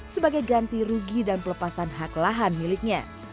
sebagai ganti rugi dan pelepasan hak lahan miliknya